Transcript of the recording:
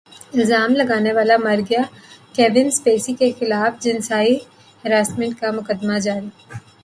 الزام لگانے والا مر گیا کیون اسپیسی کے خلاف جنسی ہراسانی کا مقدمہ خارج